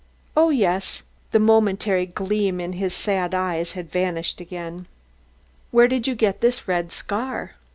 "Oh, yes." The momentary gleam in the sad eye had vanished again. "Where did you get this red scar?"